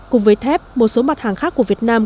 cùng với thép một số mặt hàng khác của việt nam